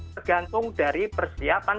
tergantung dari persiapan